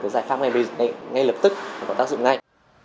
giải pháp ngay lập tức và có tác dụng ngay